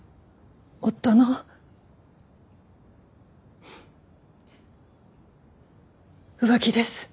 夫の浮気です。